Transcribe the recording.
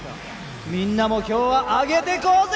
みんなも今日は上げてこうぜ！